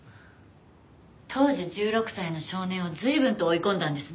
当時１６歳の少年を随分と追い込んだんですね。